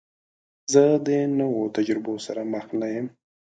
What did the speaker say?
زه د نوو تجربو سره مخ نه یم.